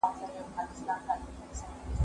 زه له سهاره د ښوونځی لپاره تياری کوم!!